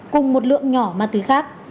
cùng một lượng nhỏ ma túy khác